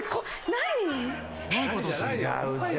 何？